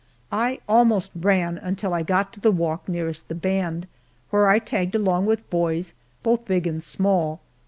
I almost ran until I got to the walk nearest the band, where I tagged along with boys, both big and small.